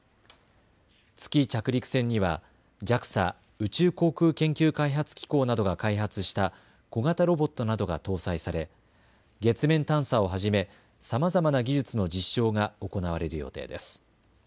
月着陸船にはＪＡＸＡ・宇宙航空研究開発機構などが開発した小型ロボットなどが搭載され月面探査をはじめ、さまざまな技術の実証が行われる予定です。